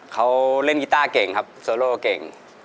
เขาเล่นกีต้าเก่งครับโซโลเก่ง